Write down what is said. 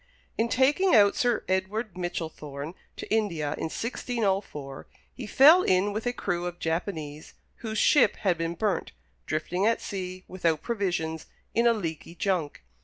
In taking out Sir Edward Michellthorne to India, in 1604, he fell in with a crew of Japanese, whose ship had been burnt, drifting at sea, without provisions, in a leaky junk.